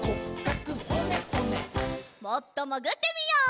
もっともぐってみよう。